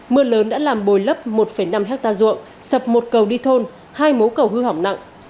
mưa lớn đã làm bồi lấp một năm hectare ruộng sập một cầu đi thôn hai mố cầu hư hỏng nặng